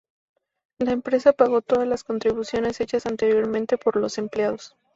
La empresa pagó todas las contribuciones hechas anteriormente por los empleados.